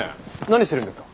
何してるんですか？